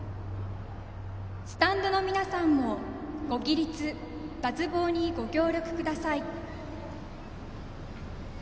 スタンドの皆さんもご起立・脱帽にご協力ください。